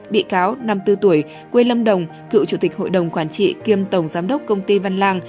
bị cáo năm mươi bốn tuổi quê lâm đồng cựu chủ tịch hội đồng quản trị kiêm tổng giám đốc công ty văn lang